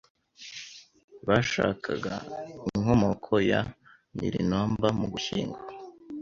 bashakaga inkomoko ya NilinumberMu Gushyingo